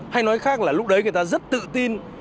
hay nói khác là lúc đấy người ta rất tự tin